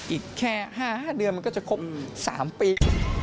อีกแค่๕เดือนมันก็จะครบ๓ปี